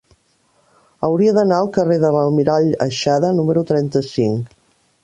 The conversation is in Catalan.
Hauria d'anar al carrer de l'Almirall Aixada número trenta-cinc.